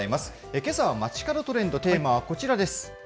けさはまちかどトレンド、テーマはこちらです。